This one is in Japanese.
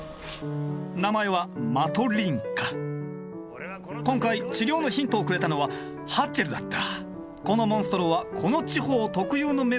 名前は今回治療のヒントをくれたのはハッチェルだった。